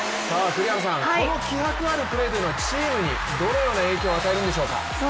この気迫あるプレーというのはチームにどのような影響を与えるんでしょうか。